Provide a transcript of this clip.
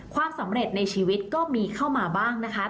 ความสำเร็จในชีวิตก็มีเข้ามาบ้างนะคะ